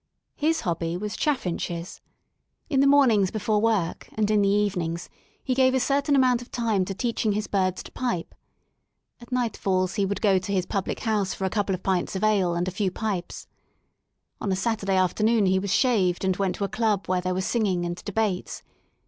His hobby was chaffinches. ! In the mornings before work and in the evenings he gave a certain amount of time to teaching his birds to pipe. At nightfalls he would go to his public house for a couple of pints of ale and a few pipes. On a Satur day afternoon he was shaved and went to a club where there were singing and debates.